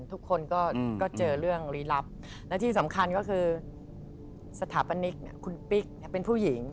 ทุกคนก็เจอเรื่องลี้ลับและที่สำคัญก็คือสถาปนิกคุณปิ๊กเป็นผู้หญิง